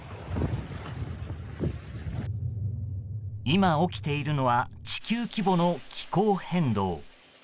今起きているのは地球規模の気候変動。